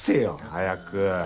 早く。